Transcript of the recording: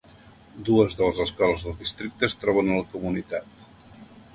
Dues de les escoles del districte es troben a la comunitat.